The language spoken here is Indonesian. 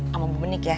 sama bu menik ya